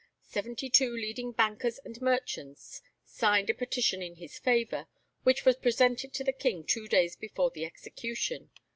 Seventy two leading bankers and merchants signed a petition in his favour, which was presented to the King two days before the execution.